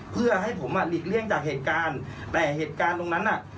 เพื่อให้ผมอ่ะหลีกเลี่ยงจากเหตุการณ์แต่เหตุการณ์ตรงนั้นน่ะ